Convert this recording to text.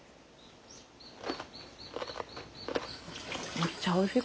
めっちゃおいしい！